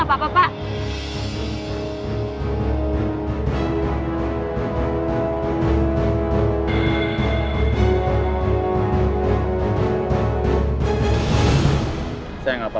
apa yang terjadi pak